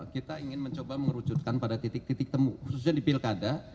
kita ingin mencoba mengerucutkan pada titik titik temu khususnya di pilkada